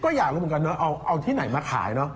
ก็อยากรู้กันเอาที่ไหนมาขาย